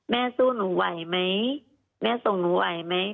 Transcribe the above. แม่สู้หนูไหวไหมแม่ส่งหนูไหวไหม